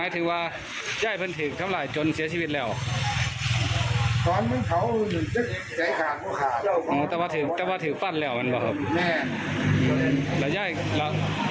แต่ว่าถือแต่ว่าถือฟันแล้วมันบอกครับแย่หล่ะย่ายหล่ะ